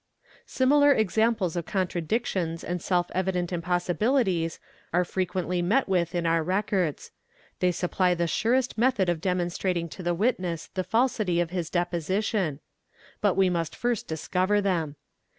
Similar examples of contradictions and self evident impossibilities are frequently met with in our records; they supply the surest method of demonstrating to the witness the falsity of his deposition,—but we THE LYING WITNESS ! 105 must first discover them.